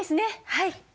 はい。